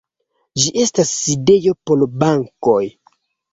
Ĝi estas sidejo por bankoj.